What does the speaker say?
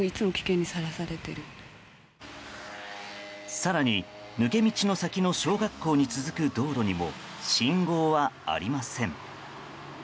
更に、抜け道の先の小学校に続く道路にも信号はありません。